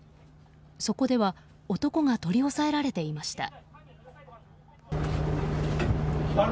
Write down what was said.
そこでは男が取り押さえられていました。